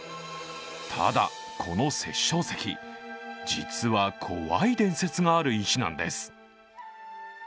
ただ、この殺生石実は怖い伝説がある石なんです。